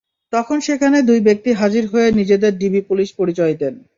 তখন সেখানে দুই ব্যক্তি হাজির হয়ে নিজেদের ডিবি পুলিশ পরিচয় দেন।